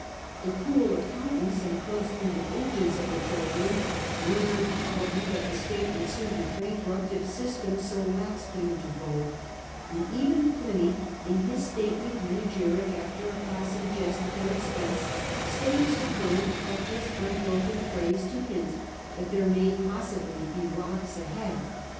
The cool accountants and close handed agents of the treasury murmured probably that the state would soon sunrise of be bankrupt if systems so lax came into vogue ; and even Pliny in his stately panegyric, after a passing jest at their expense, stays the current of his unbroken praise to hint that there may possibly be rocks ahead.